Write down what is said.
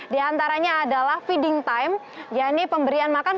di antaranya adalah feeding time yaitu pemberian makan